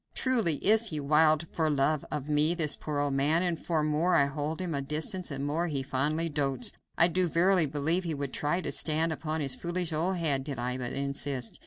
Truly is he wild for love of me, this poor old man, and the more I hold him at a distance the more he fondly dotes. I do verily believe he would try to stand upon his foolish old head, did I but insist.